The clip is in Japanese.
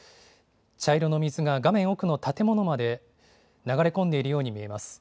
茶色の水が画面奥の建物まで流れ込んでいるように見えます。